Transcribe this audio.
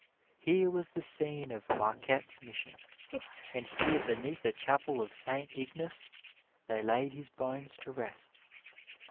Here was the scene of Marquette's mission, and here beneath the chapel of St. Ignace they laid his bones to rest.